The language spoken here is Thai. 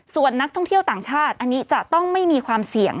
ส่วนนักท่องเที่ยวต่างชาติอันนี้จะต้องไม่มีความเสี่ยง